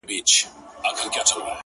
ه یاره دا زه څه اورمه څه وینمه